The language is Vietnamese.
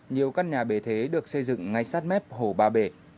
nhiều căn nhà bề thế được xây dựng ngay sát mép hồ ba bể